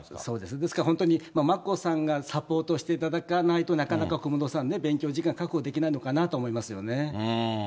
ですから本当に眞子さんがサポートしていただかないと、なかなか小室さん、勉強時間、確保できないのかなと思いますよね。